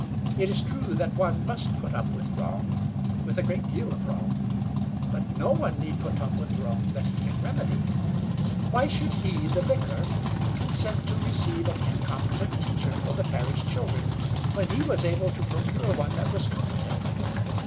It is true that one must put up with wrong, with a great deal of wrong. But no one need put up with wrong that he can remedy. Why should he, the vicar, consent to receive an incompetent teacher for the parish children, when he was able to procure one that was competent?